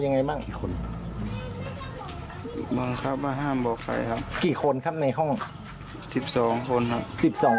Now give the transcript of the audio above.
ยังไงบ้างกี่คนบังครับว่าห้ามบอกใครครับกี่คนครับในห้องสิบสองคนครับสิบสอง